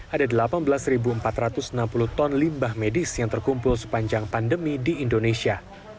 ada delapan belas empat ratus enam puluh ton limbah medis yang terkumpul sepanjang pandemi di indonesia